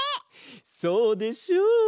そうでしょう？